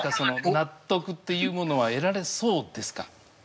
納得というものは得られそうですか？